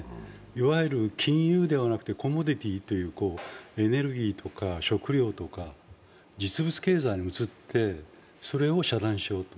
いわゆる金融ではなくてコモデティというエネルギーや食料、実物経済に移ってそれを遮断しよう。